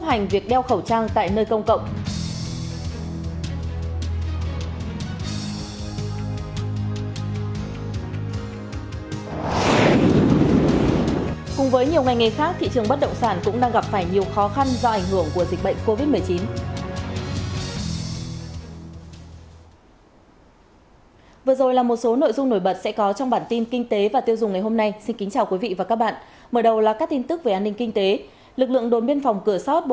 hãy đăng ký kênh để ủng hộ kênh của chúng mình nhé